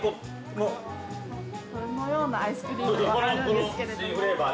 ◆このようなアイスクリームもあるんですけれどもー。